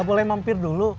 gak boleh mampir dulu